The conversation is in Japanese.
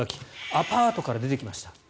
アパートから出てきました。